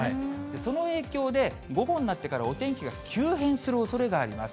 その影響で、午後になってからお天気が急変するおそれがあります。